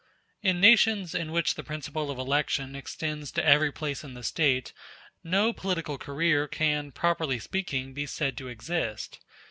In nations in which the principle of election extends to every place in the State no political career can, properly speaking, be said to exist.